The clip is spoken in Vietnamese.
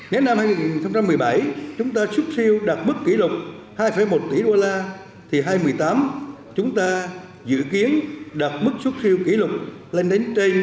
nên năm hai nghìn một mươi bảy chúng ta xuất siêu đạt mức kỷ lục hai một tỷ đô la thì hai nghìn một mươi tám chúng ta dự kiến đạt mức xuất siêu kỷ lục lên đến trên bảy mươi tỷ đô la